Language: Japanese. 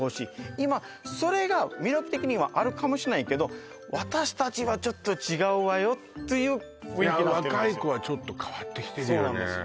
今それが魅力的にはあるかもしれないけど私たちはちょっと違うわよという雰囲気になってるんですよ